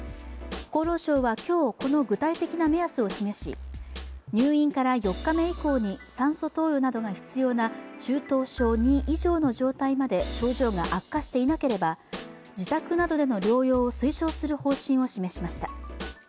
厚労省は今日、この具体的な目安を示し入院から４日目以降に酸素投与などが必要な中等症Ⅱ以上の状態まで症状が悪化していなければ自宅などでの療養を推奨する方針を示しました。